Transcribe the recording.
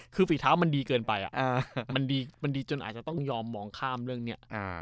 คือฝีเท้ามันดีเกินไปมันดีจนอาจจะต้องยอมมองข้ามเรื่องนี้